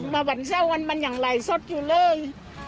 ว่าวันเช่าวันมันอย่างไร้สดอยู่เลย